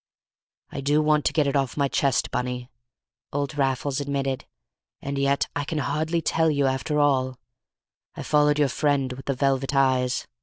"I do want to get it off my chest, Bunny," old Raffles admitted, "and yet I hardly can tell you after all. I followed your friend with the velvet eyes.